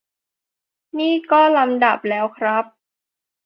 นี่ก็ลำดับแล้วครับ